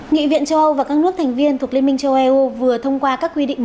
nghị viện châu âu và các nước thành viên thuộc liên minh châu âu vừa thông qua các quy định